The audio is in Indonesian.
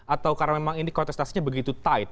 atau karena memang ini kontestasinya begitu tight